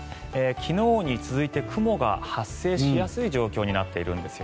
昨日に続いて雲が発生しやすい状況になっているんです。